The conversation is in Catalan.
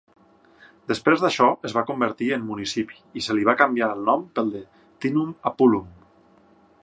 Després d'això, es va convertir en municipi i se li va canviar el nom pel de Teanum Apulum.